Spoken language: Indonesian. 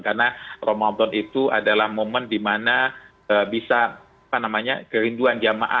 karena ramadan itu adalah momen dimana bisa apa namanya kerinduan jamaah